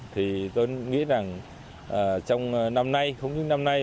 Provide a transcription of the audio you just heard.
thì tôi nghĩ rằng trong năm nay không những năm nay